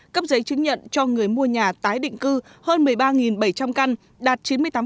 cấp giấy chứng nhận cho người mua nhà tái định cư hơn một mươi ba bảy trăm linh căn đạt chín mươi tám